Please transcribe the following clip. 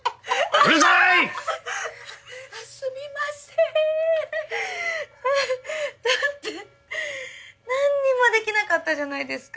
ああだって何もできなかったじゃないですか。